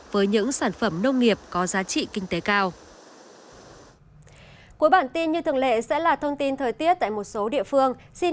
với những sản phẩm nông nghiệp có giá trị kinh tế cao